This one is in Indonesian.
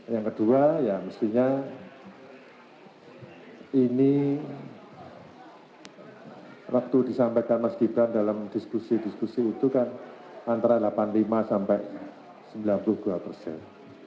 yang kedua ya mestinya ini waktu disampaikan mas gibran dalam diskusi diskusi itu kan antara delapan puluh lima sampai sembilan puluh dua persen